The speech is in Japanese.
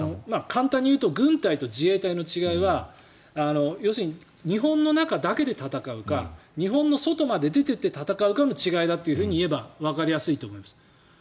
簡単にいうと軍隊と自衛隊の違いは日本の中だけで戦うか日本の外まで出ていって戦うかの違いだといえばわかりやすいと思います。